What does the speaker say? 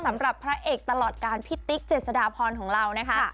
สำหรับพระเอกตลอดการพี่ติ๊กเจษฎาพรของเรานะคะ